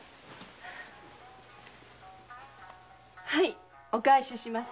はいお返しします。